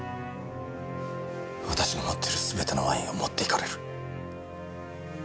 私の持っているすべてのワインを持っていかれる。